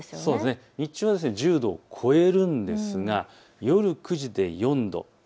日中は１０度を超えるんですが夜９時で４度。